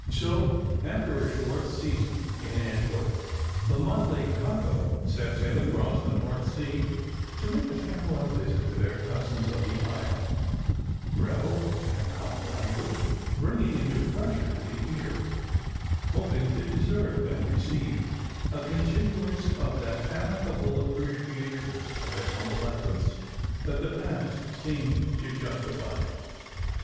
So after a short season in Antwerp the motley cargo set sail across the North Sea to make a farewell visit to their cousins of the isle, revel in a common language (bringing a new pleasure to the ear), hoping to deserve and receive a continuance of that amicable appreciation of their humble efforts that the past seemed to justify.